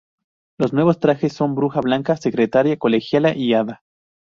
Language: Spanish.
Los nuevos trajes son Bruja Blanca, Secretaria, Colegiala, y Hada.